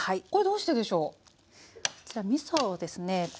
こちらみそをですね